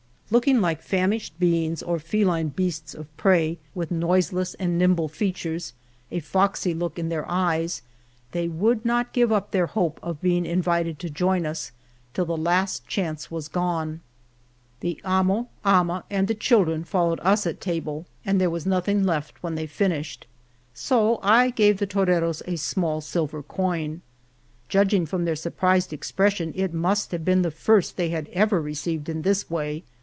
Looking like famished beings or feline beasts of prey, with noiseless and nimble gestures, a foxy look in their eyes, they would not give up their hope of being invited to join us till the last chance was gone. The amo, ama, and the children followed us at table, and there was nothing 230 In a Popular Resort of Seville. Venla de Cardenas left when they finished. So I gave the tore ros a small silver coin. Judging from their surprised expression it must have been the first they had ever received in this way.